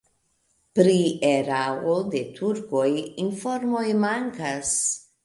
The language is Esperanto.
Pri erao de turkoj informoj mankas.